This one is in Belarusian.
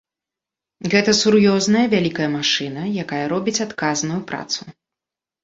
Гэта сур'ёзная вялікая машына, якая робіць адказную працу.